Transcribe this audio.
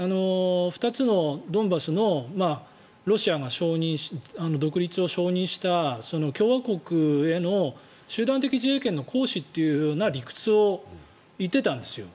２つのドンバスのロシアが独立を承認した共和国への集団的自衛権の行使という理屈を言っていたんですよ。